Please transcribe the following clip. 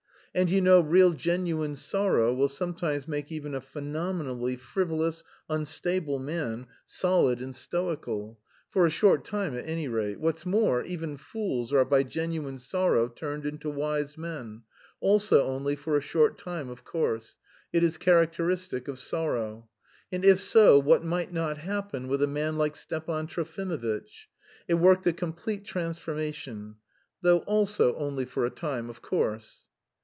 And you know real genuine sorrow will sometimes make even a phenomenally frivolous, unstable man solid and stoical; for a short time at any rate; what's more, even fools are by genuine sorrow turned into wise men, also only for a short time of course; it is characteristic of sorrow. And if so, what might not happen with a man like Stepan Trofimovitch? It worked a complete transformation though also only for a time, of course.